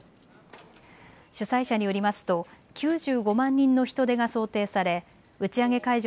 主催者によりますと９５万人の人出が想定され打ち上げ会場